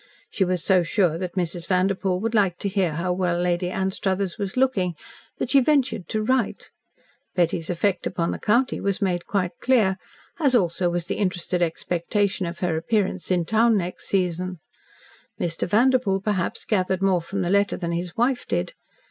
She was so sure that Mrs. Vanderpoel would like to hear how well Lady Anstruthers was looking, that she ventured to write. Betty's effect upon the county was made quite clear, as also was the interested expectation of her appearance in town next season. Mr. Vanderpoel, perhaps, gathered more from the letter than his wife did.